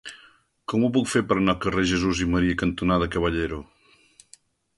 Com ho puc fer per anar al carrer Jesús i Maria cantonada Caballero?